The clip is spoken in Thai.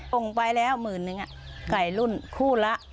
ส่งไปแล้ว๑๐๐๐๐บาทไก่รุ่นคู่ละ